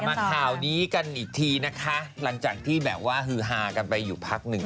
มาข่าวนี้กันอีกทีนะคะหลังจากที่แบบว่าฮือฮากันไปอยู่พักหนึ่ง